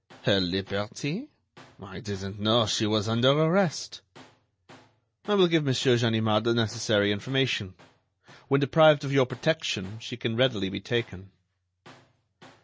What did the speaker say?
"Her liberty?... I didn't know she was under arrest." "I will give Monsieur Ganimard the necessary information. When deprived of your protection, she can readily be taken."